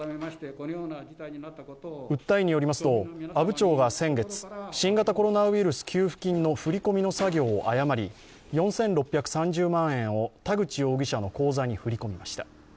訴えによりますと、阿武町が先月、新型コロナウイルス給付金の振り込みの作業を誤り、４６３０万円を田口容疑者の口座に振り込みました。